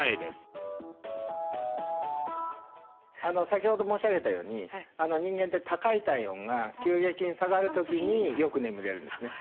先ほど申し上げたように人間って高い体温が急激に下がる時によく眠れるんですね。